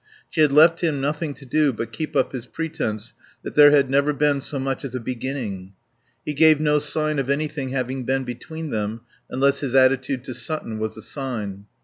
She had left him nothing to do but keep up his pretence that there had never been so much as a beginning. He gave no sign of anything having been between them, unless his attitude to Sutton was a sign.